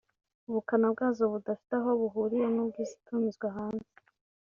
ubukana bwazo budafite aho buhuriye n’ubw’izitumizwa hanze